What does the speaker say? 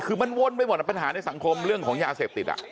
คือมันวนไปหมดปัญหาในสังคมเรื่องของยาเสพติด